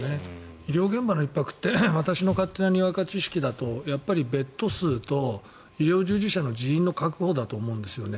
医療現場のひっ迫って私の勝手なにわか知識だとやっぱりベッド数と医療従事者の人員の確保だと思うんです。